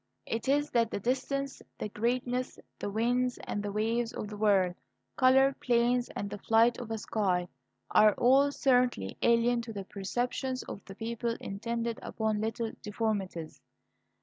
It is that the distances, the greatness, the winds and the waves of the world, coloured plains, and the flight of a sky, are all certainly alien to the perceptions of a people intent upon little deformities.